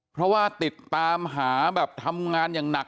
เพราะว่าติดตามหาแบบทำงานอย่างหนัก